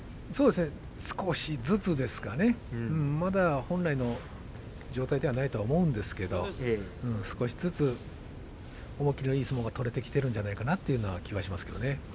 少しずつですかねまだ本来の状態ではないと思うんですが少しずつ思い切りのいい相撲が取れてきているのではないかという気がします。